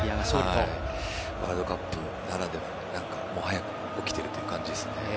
ワールドカップならではが早くも起きているという感じですね。